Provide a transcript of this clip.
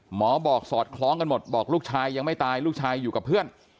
หมอบอกสอดคล้องกันหมดบอกลูกชายยังไม่ตายลูกชายอยู่กับเพื่อน